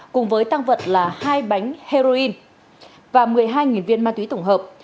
cùng với tăng vật là hai bánh heroin và một mươi hai viên ma túy tổng hợp